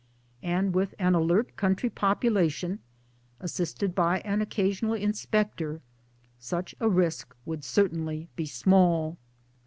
And with an alert country popula tion, assisted by an occasional inspector, such a risk would certainly be small.